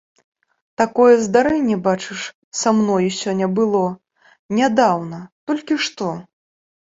Такое здарэнне, бачыш, са мною сёння было, нядаўна, толькі што.